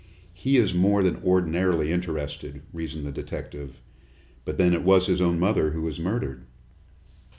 "He is more than ordinarily interested," reasoned the detective. "But then it was his own mother who was murdered."